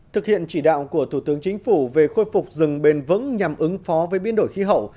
thực hiện chỉ đạo của thủ tướng chính phủ về khôi phục rừng bền vững nhằm ứng phó với biến đổi khí hậu